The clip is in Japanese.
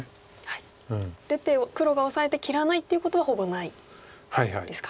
出て黒がオサえて切らないっていうことはほぼないですか。